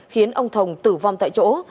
khiến ông thồng tử vong tại chỗ